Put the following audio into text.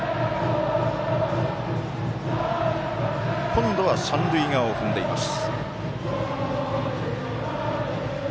今度は、三塁側を踏んでいます。